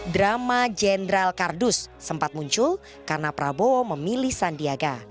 drama jenderal kardus sempat muncul karena prabowo memilih sandiaga